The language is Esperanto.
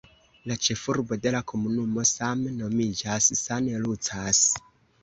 La ĉefurbo de la komunumo same nomiĝas "San Lucas".